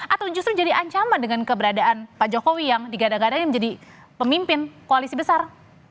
atau justru jadi ancaman dengan keberadaan pak jokowi yang digadang gadang menjadi pemimpin koalisi besar